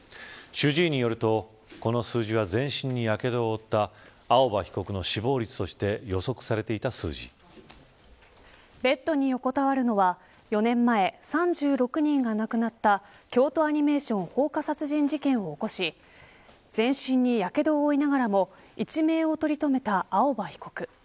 主治医によるとこの数字は全身にやけどを負った青葉被告の死亡率としてベッドに横たわるのは４年前３６人が亡くなった京都アニメーション放火殺人事件を起こし全身にやけどを負いながらも一命を取りとめた青葉被告。